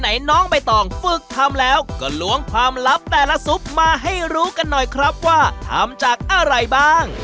น้องใบตองฝึกทำแล้วก็ล้วงความลับแต่ละซุปมาให้รู้กันหน่อยครับว่าทำจากอะไรบ้าง